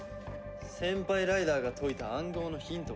先輩ライダーが解いた暗号のヒントか。